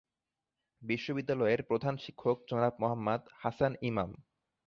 বিদ্যালয়ের প্রধান শিক্ষক জনাব মোহাম্মদ হাসান ইমাম।